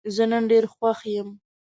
زه نن ډېر خوښ یم.